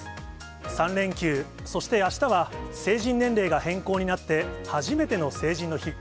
３連休、そしてあしたは、成人年齢が変更になって初めての成人の日。